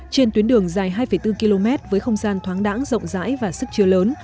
trên tuyến đường dài hai bốn km với không gian thoáng đẵng rộng rãi và sức chưa lớn